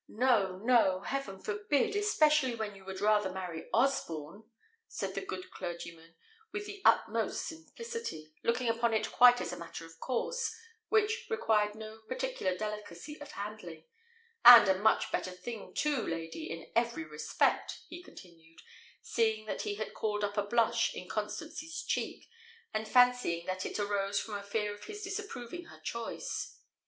"No, no, heaven forbid! especially when you would rather marry Osborne," said the good clergyman with the utmost simplicity, looking upon it quite as a matter of course, which required no particular delicacy of handling: "and a much better thing too, lady, in every respect," he continued, seeing that he had called up a blush in Constance's cheek, and fancying that it arose from a fear of his disapproving her choice.